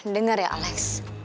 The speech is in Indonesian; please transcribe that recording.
dengar ya alex